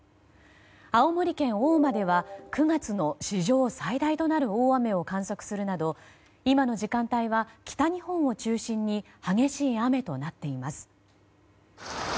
青森県大間では９月の史上最大となる大雨を観測するなど今の時間帯は北日本を中心に激しい雨となっています。